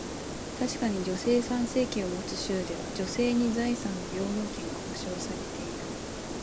確かに、女性参政権を持つ州では、女性に財産の平等権が保証されている。